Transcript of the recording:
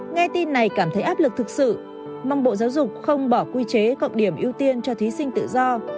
nghe tin này cảm thấy áp lực thực sự mong bộ giáo dục không bỏ quy chế cộng điểm ưu tiên cho thí sinh tự do